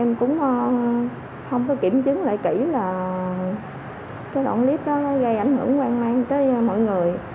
em cũng không có kiểm chứng lại kỹ là cái đoạn clip nó gây ảnh hưởng quan mang tới mọi người